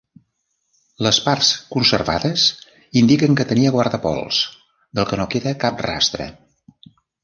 Les parts conservades indiquen que tenia guardapols, del que no queda cap rastre.